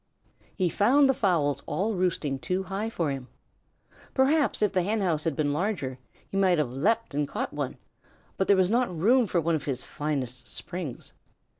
He found the fowls all roosting too high for him. Perhaps if the Hen house had been larger, he might have leaped and caught one, but there was not room for one of his finest springs.